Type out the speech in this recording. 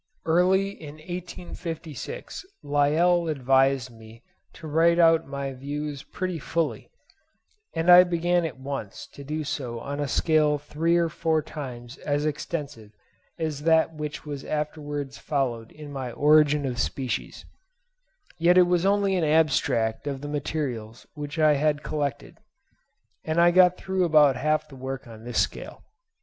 Early in 1856 Lyell advised me to write out my views pretty fully, and I began at once to do so on a scale three or four times as extensive as that which was afterwards followed in my 'Origin of Species;' yet it was only an abstract of the materials which I had collected, and I got through about half the work on this scale.